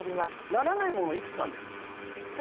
ならないものいくつあるんですか？